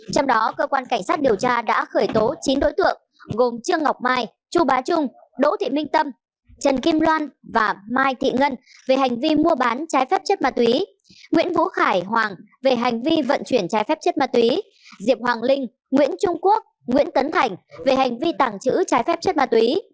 trong đó cơ quan cảnh sát điều tra đã khởi tố chín đối tượng gồm trương ngọc mai chu bá trung đỗ thị minh tâm trần kim loan và mai thị ngân về hành vi mua bán trái phép chất ma túy nguyễn vũ khải hoàng về hành vi vận chuyển trái phép chất ma túy diệp hoàng linh nguyễn trung quốc nguyễn tấn thành về hành vi tàng trữ trái phép chất ma túy